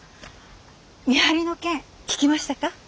見張りの件聞きましたか？